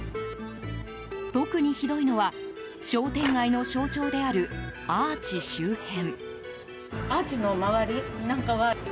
特にひどいのは商店街の象徴であるアーチ周辺。